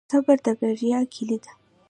صبر د بریا کیلي ده؟